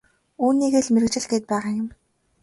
Үүнийгээ л мэргэжил гээд байгаа юм.